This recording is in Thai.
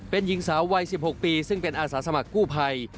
เป็นหญิงสาววัย๑๖ปีซึ่งเป็นอาสาสมัครกู้ภัย